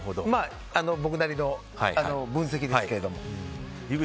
僕なりの分析ですけども。